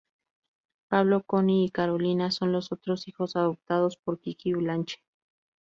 Pablo, Connie y Carolina son los otros hijos adoptados por Kiki Blanche.